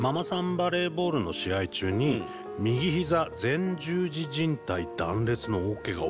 バレーボールの試合中に右膝前十字じん帯断裂の大ケガを。